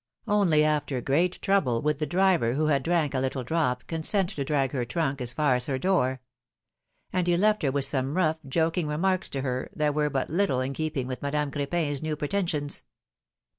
Only after great trouble would the driver, who had drank a little drop, consent to drag her trunk as far as her door ; and he left her with some rough, joking remarks to her, that were but little in keeping with Madame Cr^pin's new pretensions.